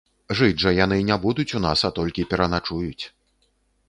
Жыць жа яны не будуць у нас, а толькі пераначуюць.